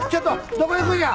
どこ行くんや！？